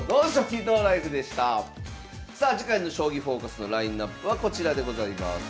さあ次回の「将棋フォーカス」のラインナップはこちらでございます。